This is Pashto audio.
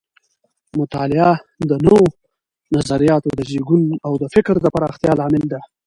مطالعه د نوو نظریاتو د زیږون او د فکر د پراختیا لامل ده.